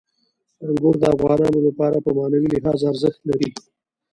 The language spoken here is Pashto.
انګور د افغانانو لپاره په معنوي لحاظ ارزښت لري.